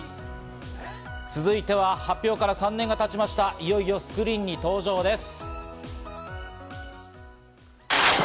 続いては発表から３年が経ちました、いよいよスクリーンに登場です。